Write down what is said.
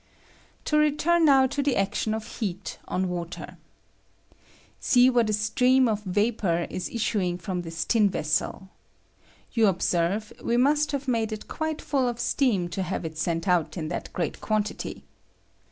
To return now to the action of heat on water. See what a stream of vapor is issuing from this tin vessel. You observe, we must have made it quite full of steam to have it sent out in that great quantity.